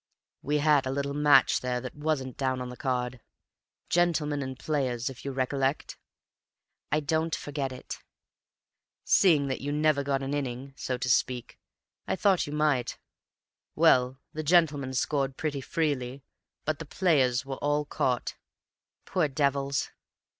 "We had a little match there that wasn't down on the card. Gentlemen and Players, if you recollect?" "I don't forget it." "Seeing that you never got an innings, so to speak, I thought you might. Well, the Gentlemen scored pretty freely, but the Players were all caught." "Poor devils!"